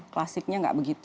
klasiknya gak begitu